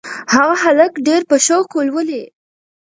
هغه هلک ډېر په شوق لولي.